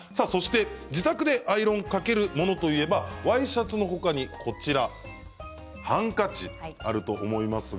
自宅でアイロンかけるものといえばワイシャツの他にハンカチがあると思います。